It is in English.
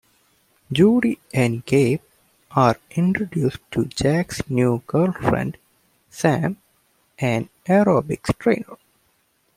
Judy and Gabe are introduced to Jack's new girlfriend, Sam, an aerobics trainer.